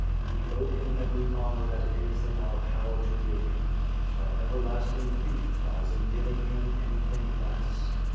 We owe Him every honor that it is in our power to give Him. Our everlasting grief lies in giving Him anything less.